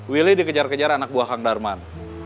willy dikejar kejar anak buah kang darman